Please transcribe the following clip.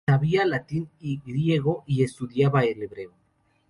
Sabía latín y griego y estudiaba el hebreo.